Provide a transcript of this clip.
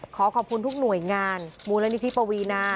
ขอขอบคุณทุกหน่วยงานมูลนิธิปวีนา